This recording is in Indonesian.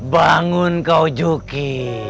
bangun kau joki